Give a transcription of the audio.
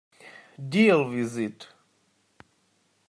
Deal with it!